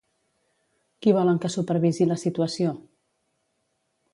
Qui volen que supervisi la situació?